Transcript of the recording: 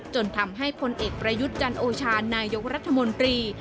จนทำให้พลเอกประยุทธ์จันโอชานายกรัฐมนตรี